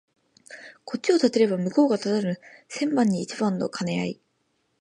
こっちを立てれば向こうが立たぬ千番に一番の兼合い